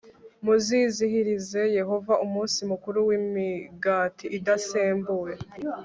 muzizihirize yehova umunsi mukuru w'imigati idasembuwe